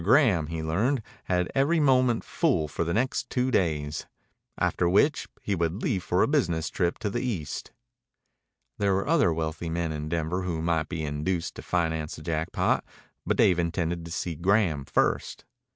Graham, he learned, had every moment full for the next two days, after which he would leave for a business trip to the East. There were other wealthy men in Denver who might be induced to finance the Jackpot, but Dave intended to see Graham first.